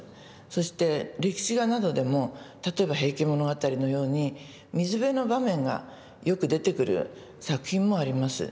そして歴史画などでも例えば「平家物語」のように水辺の場面がよく出てくる作品もあります。